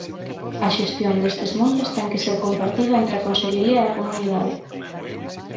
A xestión destes montes ten que ser compartida entre a Consellería e a comunidade.